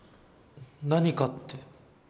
何かって。